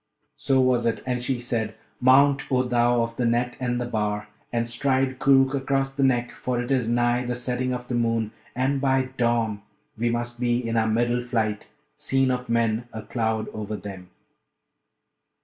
So was it; and she said, 'Mount, O thou of the net and the bar! and stride Koorookh across the neck, for it is nigh the setting of the moon, and by dawn we must be in our middle flight, seen of men, a cloud over them.'